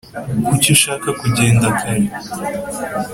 kuki ushaka kugenda kare